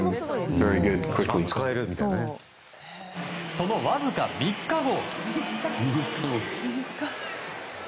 そのわずか３日後。